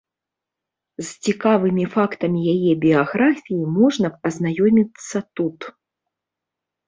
З цікавымі фактамі яе біяграфіі можна азнаёміцца тут.